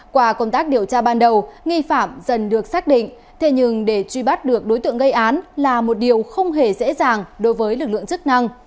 qua công tác điều tra ban đầu nghi phạm dần được xác định thế nhưng để truy bắt được đối tượng gây án là một điều không hề dễ dàng đối với lực lượng chức năng